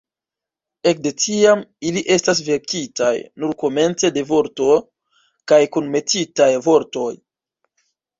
Ekde tiam, ili estas verkitaj nur komence de vorto kaj kunmetitaj vortoj.